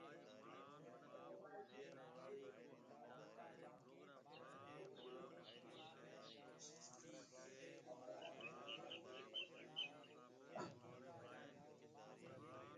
اُوئي نَي مهاريَ روبرو ليَ آئو۔